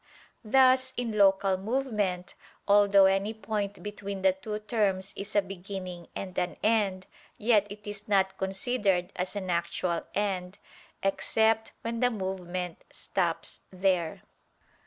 Thus in local movement, although any point between the two terms is a beginning and an end, yet it is not considered as an actual end, except when the movement stops there.